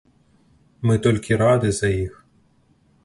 Мы толькі рады за іх.